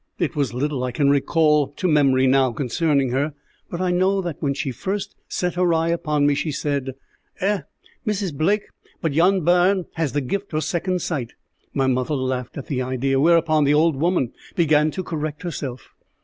It is little I can recall to memory now concerning her, but I know that when she first set her eye upon me she said "Eh, Mrs. Blake, but yon bairn has the gift o' second sight." My mother laughed at the idea, whereupon the old woman began to correct herself.